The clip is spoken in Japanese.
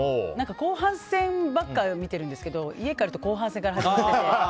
後半戦ばっか見てるんですけど家帰ると後半戦から始まってて。